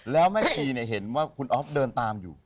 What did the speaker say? แล้วแม่ชีเห็นว่าคุณอ๊อฟเดินตามอยู่